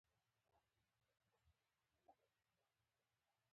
زما خپل شهپر مي بیايي تر زندانه که راځې